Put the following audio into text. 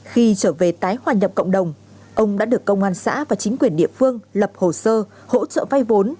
khi trở về tái hòa nhập cộng đồng ông đã được công an xã và chính quyền địa phương lập hồ sơ hỗ trợ vay vốn